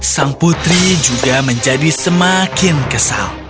sang putri juga menjadi semakin kesal